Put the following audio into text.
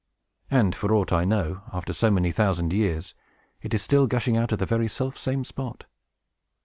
And, for aught I know, after so many thousand years, it is still gushing out of the very selfsame spot.